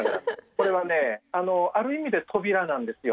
これはねある意味で扉なんですよ。